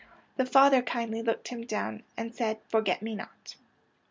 The Father kindly looked Him down. And said, ^ Forget me not.'